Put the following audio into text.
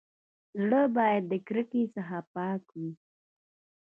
زړه بايد د کرکي څخه پاک وي.